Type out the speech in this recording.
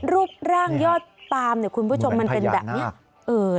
รูปร่างยอดปามเนี่ยคุณผู้ชมมันเป็นแบบนี้